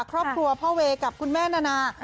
ครอบครัวพ่อเวย์กับคุณแม่นานา